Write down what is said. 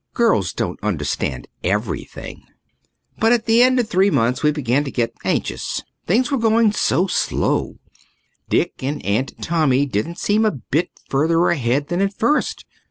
Girls don't understand everything. But at the end of three months we began to get anxious. Things were going so slow. Dick and Aunt Tommy didn't seem a bit further ahead than at first.